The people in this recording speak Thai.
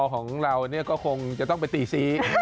ของเราก็คงจะต้องไปตีซี